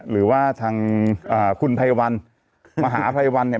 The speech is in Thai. หรือว่าทางคุณไพรวันมหาภัยวันเนี่ย